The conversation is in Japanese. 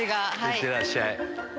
いってらっしゃい。